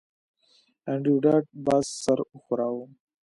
انډریو ډاټ باس سر وښوراوه